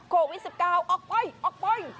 โควิด๑๙ออกไปออกไป